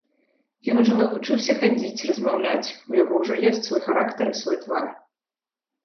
Ён ужо навучыўся хадзіць, размаўляць, у яго ўжо ёсць свой характар і свой твар.